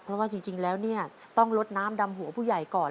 เพราะว่าจริงแล้วเนี่ยต้องลดน้ำดำหัวผู้ใหญ่ก่อน